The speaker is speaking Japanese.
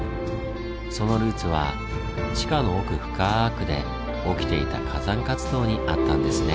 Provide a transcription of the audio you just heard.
そのルーツは地下の奥深くで起きていた火山活動にあったんですね。